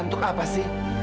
untuk apa sih